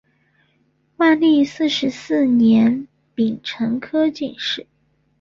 万历四十四年丙辰科进士。